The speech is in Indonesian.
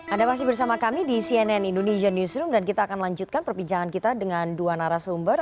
anda masih bersama kami di cnn indonesian newsroom dan kita akan lanjutkan perbincangan kita dengan dua narasumber